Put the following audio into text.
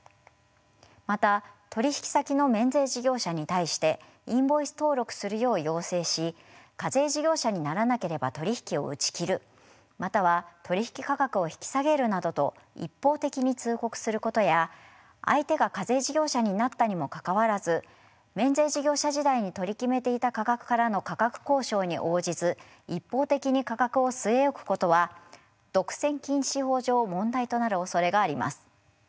また取引先の免税事業者に対してインボイス登録するよう要請し「課税事業者にならなければ取り引きを打ち切る」または「取り引き価格を引き下げる」などと一方的に通告することや相手が課税事業者になったにもかかわらず免税事業者時代に取り決めていた価格からの価格交渉に応じず一方的に価格を据え置くことは独占禁止法上問題となるおそれがあります。